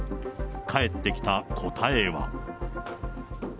返ってきた答えは。